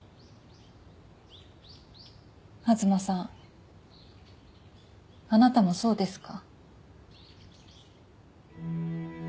東さんあなたもそうですか？